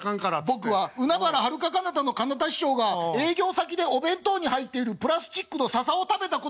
「僕は海原はるか・かなたのかなた師匠が営業先でお弁当に入っているプラスチックのササを食べたことしか知りません」。